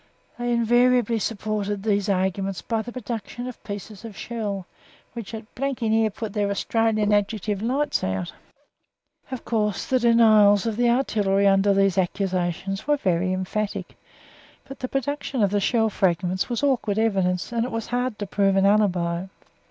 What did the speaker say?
They invariably supported these arguments by the production of pieces of shell which had "blanky near put their Australian adjective lights out." Of course the denials of the Artillery under these accusations were very emphatic; but the production of the shell fragments was awkward evidence, and it was hard to prove an alibi.